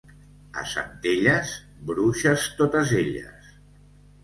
A Centelles, bruixes totes elles.